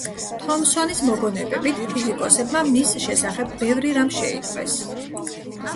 თომსონის მოგონებებით ფიზიკოსებმა მის შესახებ ბევრი რამ შეიტყვეს.